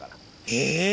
えっ。